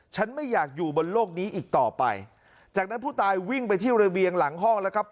ไม่อยากอยู่บนโลกนี้อีกต่อไปจากนั้นผู้ตายวิ่งไปที่ระเบียงหลังห้องแล้วครับ